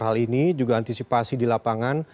hal ini juga antisipasi di lapangan